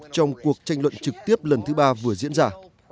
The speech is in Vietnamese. trong cuộc tranh luận trực tiếp lần thứ ba vừa diễn ra